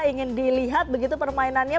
ingin dilihat begitu permainannya